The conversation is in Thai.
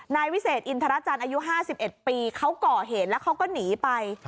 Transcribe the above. นายวิเศษอินทรจันทร์อายุ๕๑ปีเขาก่อเหตุแล้วเขาก็หนีไป